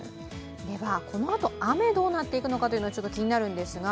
このあと雨どうなっていくのか気になっていくんですが。